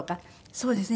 そうですね。